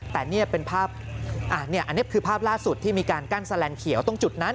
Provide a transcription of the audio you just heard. แต่นี่เป็นภาพอันนี้คือภาพล่าสุดที่มีการกั้นแลนดเขียวตรงจุดนั้น